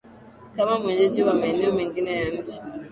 kama wenyeji wa maeneo mengine ya chini